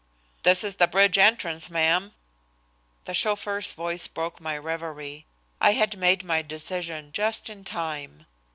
"This is the bridge entrance, ma'am." The chauffeur's voice broke my revery. I had made my decision just in time.